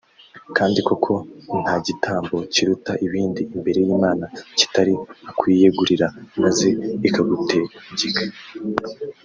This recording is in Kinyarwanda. kandi koko nta gitambo kiruta ibindi imbere y’Imana kitari ukuyiyegurira maze ikagutegeka